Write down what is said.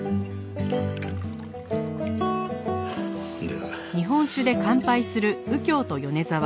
では。